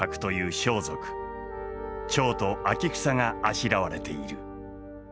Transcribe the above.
蝶と秋草があしらわれている。